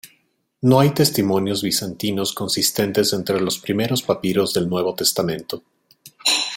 No hay testimonios bizantinos consistentes entre los primeros papiros del Nuevo Testamento.